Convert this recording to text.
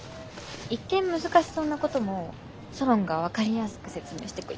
一見難しそうなこともソロンが分かりやすく説明してくれるし。